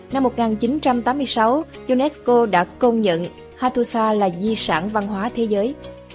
năm một nghìn chín trăm tám mươi sáu unesco đã công nhận hattusa là di sản văn hóa thế giới